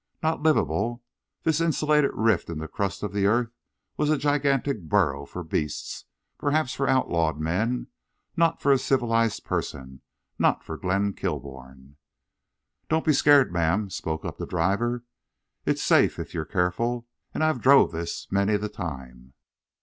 Not livable! This insulated rift in the crust of the earth was a gigantic burrow for beasts, perhaps for outlawed men—not for a civilized person—not for Glenn Kilbourne. "Don't be scart, ma'am," spoke up the driver. "It's safe if you're careful. An' I've druv this manys the time."